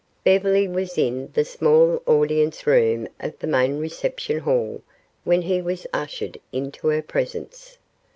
Beverly was in the small audience room off the main reception hall when he was ushered into her presence.